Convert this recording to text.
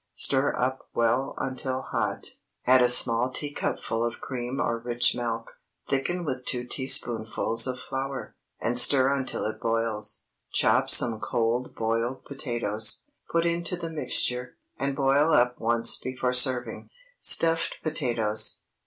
Stir up well until hot, add a small teacupful of cream or rich milk, thicken with two teaspoonfuls of flour, and stir until it boils. Chop some cold boiled potatoes, put into the mixture, and boil up once before serving. STUFFED POTATOES.